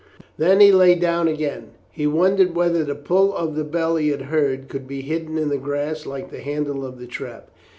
Then he lay down again. He wondered whether the pull of the bell he had heard could be hidden in the grass like the handle of the trap.